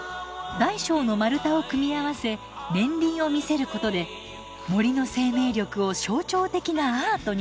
大小の丸太を組み合わせ年輪を見せることで森の生命力を象徴的なアートに。